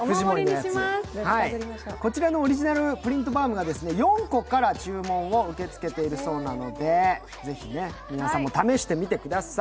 こちらのオリジナルプリントバームは４個から注文を受け付けているそうなのでぜひ皆さんも試してみてください。